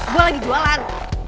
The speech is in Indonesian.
gue lagi jualan